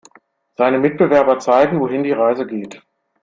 Seine Mitbewerber zeigen, wohin die Reise geht.